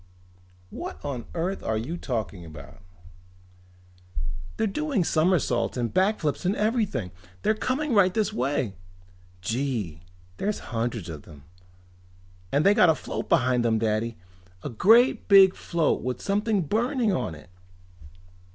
"What on earth are you talking about?" "They're doing somersaults and back flips and everything! They're coming right this way! Gee, there's hundreds of them. And they got a float behind them, Daddy! A great big float with something burning on it."